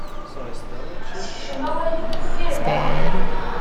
Sekcem awal-ik uffir da.